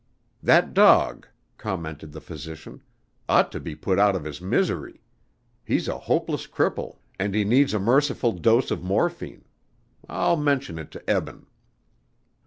"That dog," commented the physician, "ought to be put out of his misery. He's a hopeless cripple and he needs a merciful dose of morphine. I'll mention it to Eben."